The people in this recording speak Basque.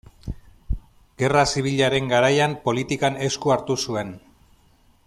Gerra Zibilaren garaian politikan esku hartu zuen.